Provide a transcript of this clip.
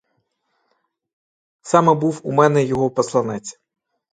Саме був у мене його посланець.